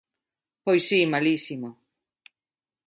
Pois si, malísimo.